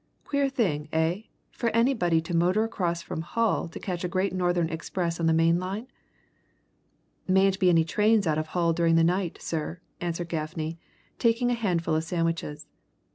Queer thing, eh, for anybody to motor across from Hull to catch a Great Northern express on the main line!" "Mayn't be any trains out of Hull during the night, sir," answered Gaffney, taking a handful of sandwiches.